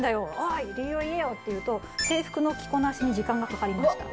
おい理由を言えよ！」って言うと「制服の着こなしに時間がかかりました」。